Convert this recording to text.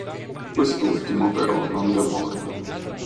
Quest'ultimo, però, non demorde.